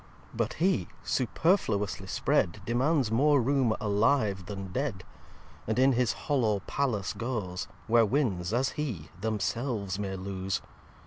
iii But He, superfluously spread, Demands more room alive then dead. And in his hollow Palace goes Where Winds as he themselves may lose.